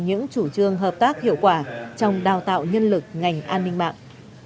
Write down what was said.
những chủ trương hợp tác hiệu quả trong đào tạo nhân lực ngành an ninh mạng